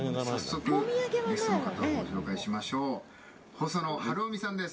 「細野晴臣さんです。